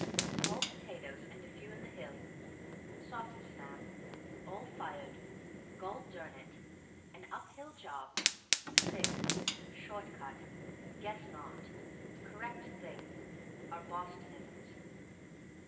"Small potatoes, and few in the hill," "soft snap," "all fired," "gol durn it," "an up hill job," "slick," "short cut," "guess not," "correct thing" are Bostonisms.